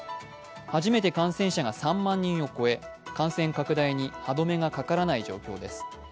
初めて感染者が３万人を超え感染拡大に歯止めがかからない状況です。